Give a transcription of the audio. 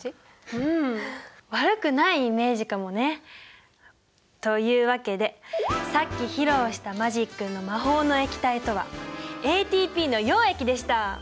うん悪くないイメージかもね。というわけでさっき披露したマジックの魔法の液体とはＡＴＰの溶液でした。